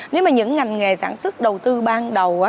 nếu mà những ngành nghề sản xuất đầu tư ban đầu